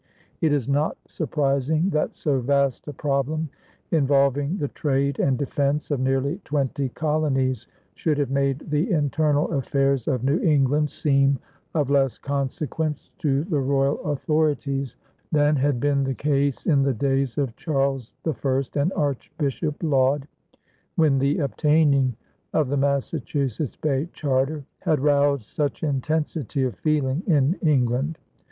It is not surprising that so vast a problem, involving the trade and defense of nearly twenty colonies, should have made the internal affairs of New England seem of less consequence to the royal authorities than had been the case in the days of Charles I and Archbishop Laud, when the obtaining of the Massachusetts Bay charter had roused such intensity of feeling in England.